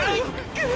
くっ！